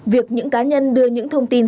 việc những cá nhân đưa những thông tin